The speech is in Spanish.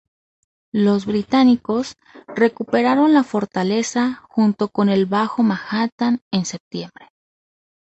Los británicos recuperaron la fortaleza, junto con el bajo Manhattan en septiembre.